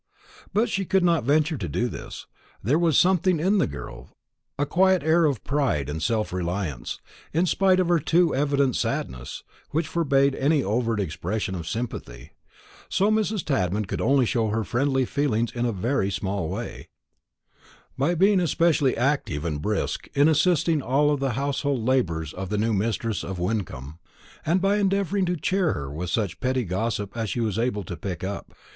But she could not venture to do this. There was something in the girl, a quiet air of pride and self reliance, in spite of her too evident sadness, which forbade any overt expression of sympathy; so Mrs. Tadman could only show her friendly feelings in a very small way, by being especially active and brisk in assisting all the household labours of the new mistress of Wyncomb, and by endeavouring to cheer her with such petty gossip as she was able to pick up.